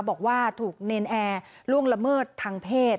บอกว่าถูกเนรนแอร์ล่วงละเมิดทางเพศ